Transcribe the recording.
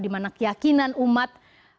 dimana keyakinan umat